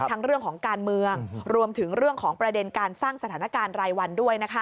ทั้งเรื่องของการเมืองรวมถึงเรื่องของประเด็นการสร้างสถานการณ์รายวันด้วยนะคะ